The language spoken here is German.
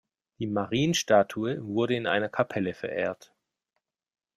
Die Marienstatue wurde in einer Kapelle verehrt.